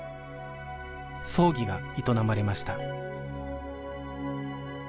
葬儀が営まれました